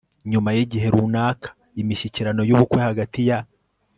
nyuma yigihe runaka, imishyikirano yubukwe hagati ya